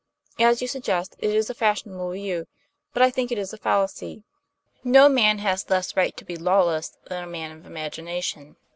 As you suggest, it is a fashionable view, but I think it is a fallacy. No man has less right to be lawless than a man of imagination.